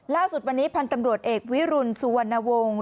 ล่าสุดวันนี้พันธ์ตำรวจเอกวิรุณสุวรรณวงศ์